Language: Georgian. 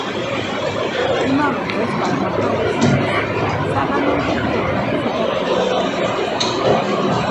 იმავე დღეს გაიმართა ჩილეს საკანონმდებლო ორგანოსა და რეგიონული არჩევნები.